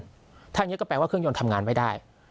ถ้าอย่างนี้ก็แปลว่าเครื่องยนต์ทำงานไม่ได้